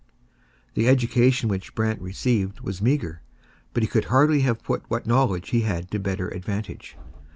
The education which Brant received was meagre, but he could hardly have put what knowledge he had to better advantage.